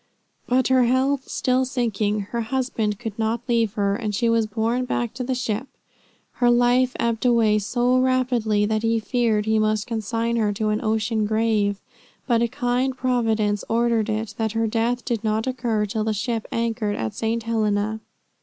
But her health still sinking, her husband could not leave her, and she was borne back to the ship. Her life ebbed away so rapidly, that he feared he must consign her to an ocean grave. But a kind Providence ordered it, that her death did not occur till the ship anchored at St. Helena.